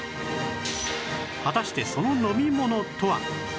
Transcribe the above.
果たしてその飲み物とは？